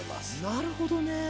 なるほどね。